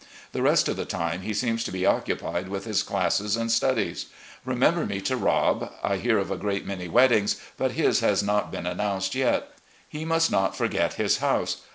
The rest of the time he seems to be occupied with his classes and studies. Remember me to Rob. I hear of a great many weddings, but his has not been announced yet. He must not forget his house.